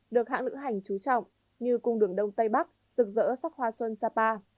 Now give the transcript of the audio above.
được hãng lựa hành trú trọng như cung đường đông tây bắc rực rỡ sắc hoa xuân sapa